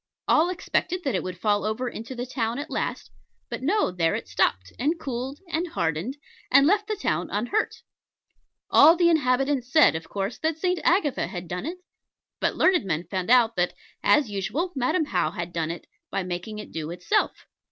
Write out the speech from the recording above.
All expected that it would fall over into the town at last: but no, there it stopped, and cooled, and hardened, and left the town unhurt. All the inhabitants said, of course, that St. Agatha had done it: but learned men found out that, as usual Madam How had done it, by making it do itself.